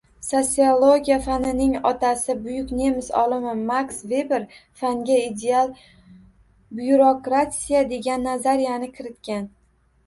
Sosiologiya fanining otasi, buyuk nemis olimi Maks Veber fanga ideal byurokratiya degan nazariyani kiritgan